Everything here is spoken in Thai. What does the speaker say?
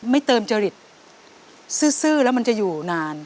เติมจริตซื่อแล้วมันจะอยู่นาน